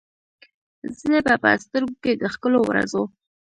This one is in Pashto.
زه به په سترګو کې، د ښکلو ورځو،